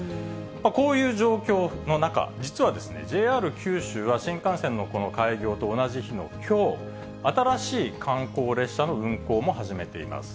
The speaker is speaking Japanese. こういう状況の中、実はＪＲ九州は、新幹線の開業と同じ日のきょう、新しい観光列車の運行も始めています。